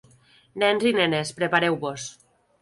Nens i nenes, prepareu-vos.